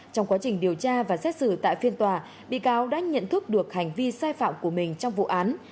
trong quá trình điều tra và xét xử tại phiên tòa bị cáo đã nhận thức được hành vi sai phạm của mình trong vụ án